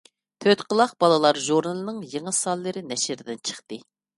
«تۆتقۇلاق بالىلار ژۇرنىلى»نىڭ يېڭى سانلىرى نەشردىن چىقتى.